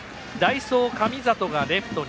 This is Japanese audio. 代走、神里がレフトに。